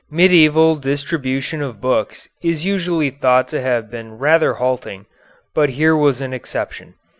Medieval distribution of books is usually thought to have been rather halting, but here was an exception.